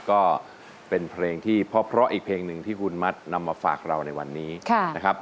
ก็เป็นเพลงที่เพราะอีกเพลงหนึ่งที่คุณมัดนำมาฝากเราในวันนี้นะครับ